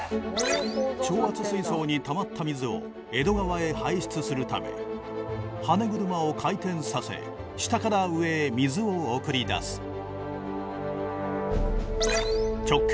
調圧水槽にたまった水を江戸川へ排出するため羽根車を回転させ下から上へ水を送り出す直径